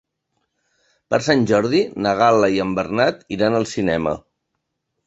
Per Sant Jordi na Gal·la i en Bernat iran al cinema.